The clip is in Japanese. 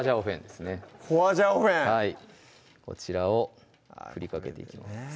こちらを振りかけていきます